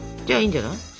じゃあいいんじゃない？